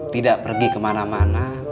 tidak pergi kemana mana